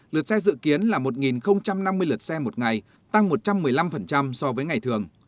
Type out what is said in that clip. lượt xe dự kiến là một năm mươi lượt xe một ngày tăng một trăm một mươi năm so với ngày thường